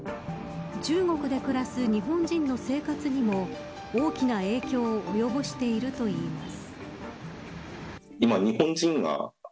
中国で暮らす日本人の生活にも大きな影響を及ぼしているといいます。